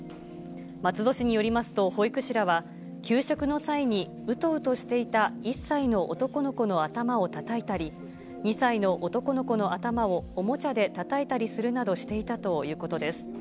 松戸市によりますと、保育士らは、給食の際にうとうとしていた１歳の男の子の頭をたたいたり、２歳の男の子の頭をおもちゃでたたいたりするなどしていたということです。